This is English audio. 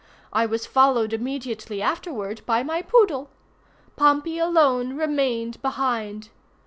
I was followed immediately afterward by my poodle. Pompey alone remained behind.